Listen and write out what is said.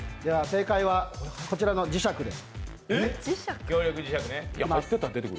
正解はこちらの磁石で。